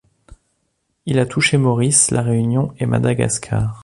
Il a touché Maurice, La Réunion et Madagascar.